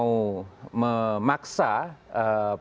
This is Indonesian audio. untuk kemudian mau memaksa negara negara arab untuk kemudian mau memaksa